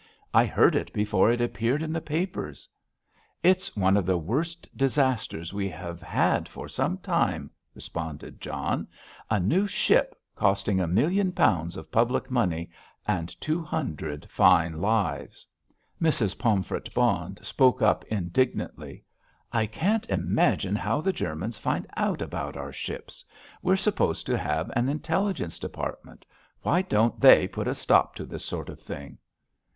"I heard it before it appeared in the papers." "It's one of the worst disasters we have had for some time," responded John; "a new ship costing a million pounds of public money, and two hundred fine lives." Mrs. Pomfret Bond spoke up indignantly. "I can't imagine how the Germans find out about our ships. We're supposed to have an Intelligence Department. Why don't they put a stop to this sort of thing?"